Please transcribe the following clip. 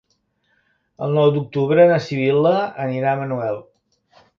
El nou d'octubre na Sibil·la anirà a Manuel.